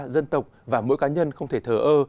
dân tộc và mỗi cá nhân không thể thở ơ